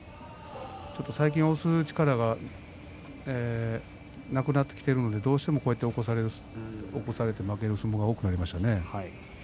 先に押す力がなくなってきているのでどうしても起こされて負ける相撲が多くなりましたね。